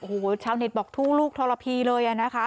โอ้โหชาวเน็ตบอกทู่ลูกทรพีเลยอะนะคะ